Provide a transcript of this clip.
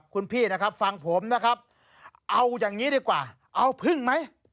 คุณพี่นะครับฟังผมนะครับเอาอย่างนี้ดีกว่าเอาพึ่งไหม